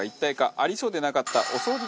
ありそうでなかったお掃除